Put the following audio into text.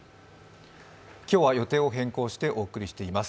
今日は予定を変更してお送りしています。